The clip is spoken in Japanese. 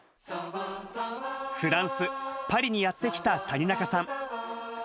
フランス・パリにやって来た谷中さん。